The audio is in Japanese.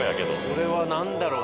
これはなんだろう？